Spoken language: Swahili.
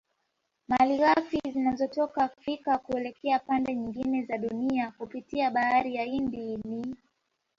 Malighafi zinazotoka Afrika kuelekea pande nyingine za Dunia kupitia bahari ya Hindi ni